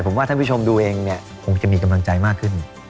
ผมว่าท่านผู้ชมดูเองเนี่ยคงจะมีกำลังใจมากขึ้น